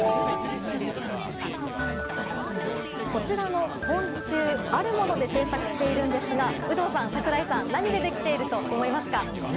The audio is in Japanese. こちらの昆虫あるもので制作しているんですが有働さん、櫻井さん何でできていると思いますか？